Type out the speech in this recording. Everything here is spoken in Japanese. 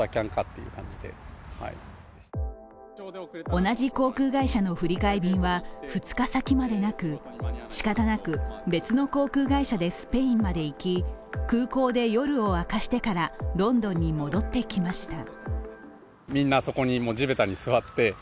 同じ航空会社の振り替え便は２日先までなく、しかたなく別の航空会社でスペインまで行き空港で夜を明かしてからロンドンに戻ってきました。